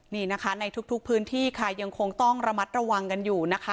นี่นะคะในทุกพื้นที่ค่ะยังคงต้องระมัดระวังกันอยู่นะคะ